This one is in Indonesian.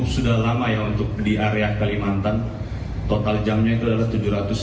pesawat pengintai milik tni angkatan udara saudara